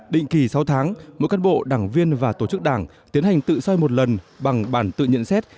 định kỳ sáu tháng mỗi cán bộ đảng viên và tổ chức đảng tiến hành tự soi một lần bằng bản tự nhận xét